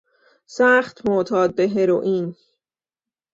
سخت معتاد به هروئین